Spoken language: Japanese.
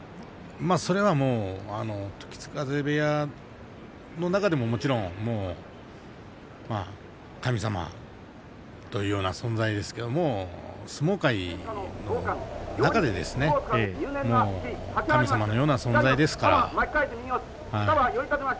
それはもう時津風部屋の中でももちろん神様というような存在ですけれども相撲界の中で神様のような存在ですから。